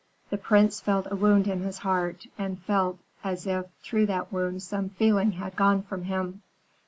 The prince felt a wound in his heart, and felt as if through that wound some feeling had gone from him.